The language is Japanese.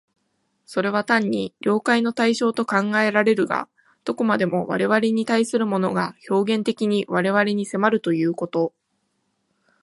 それは単に了解の対象と考えられるが、どこまでも我々に対するものが表現的に我々に迫るということ、